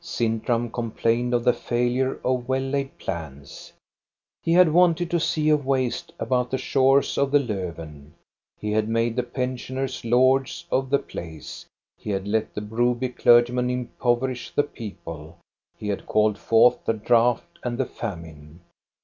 Sin tram complained of the failure of well laid plans. He had wanted to see a waste about the shores of the Lofven. He had made the pensioners lords of the place ; he had let the Broby clergyman impov erish the people ; he had called forth the drought and the famine.